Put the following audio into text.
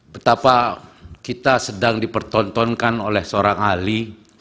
betapa kita sedang dipertontonkan oleh seorang ahli